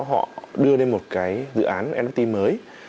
họ đưa lên một cái dự án nft mới